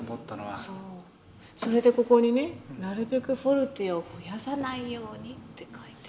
そうそれでここにね「なるべくフォルテをふやさないように」って書いてある。